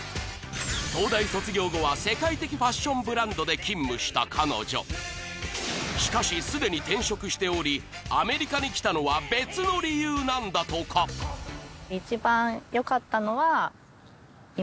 東大卒業後は世界的ファッションブランドで勤務した彼女しかしすでに転職しておりアメリカに来たのは別の理由なんだとかミス